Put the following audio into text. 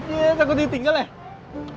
iya takut ditinggal ya